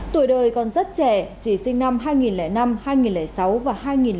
tuổi đời còn rất trẻ chỉ sinh năm hai nghìn năm hai nghìn sáu và hai nghìn hai